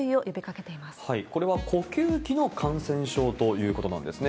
これは呼吸器の感染症ということなんですね。